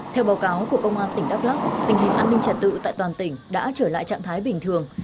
theo báo cáo của công an tỉnh đắk lắc tình hình an ninh trật tự tại toàn tỉnh đã trở lại trạng thái bình thường